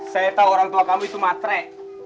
saya tahu orang tua kamu itu matre